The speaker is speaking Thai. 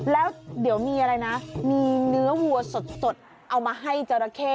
แล้วเดี๋ยวมีอะไรนะมีเนื้อวัวสดเอามาให้จราเข้